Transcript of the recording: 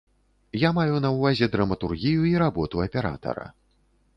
Я маю на ўвазе драматургію і работу аператара.